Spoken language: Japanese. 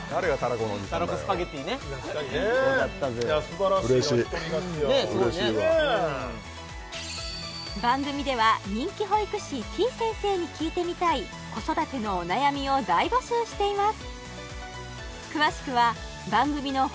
スパゲティねすばらしいうれしいうれしいわ番組では人気保育士てぃ先生に聞いてみたい子育てのお悩みを大募集しています